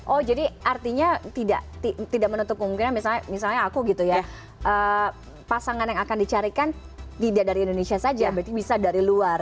oh jadi artinya tidak menutup kemungkinan misalnya aku gitu ya pasangan yang akan dicarikan tidak dari indonesia saja berarti bisa dari luar